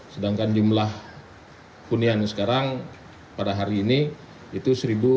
sedangkan jumlah punian sekarang pada hari ini itu seribu delapan ratus tujuh puluh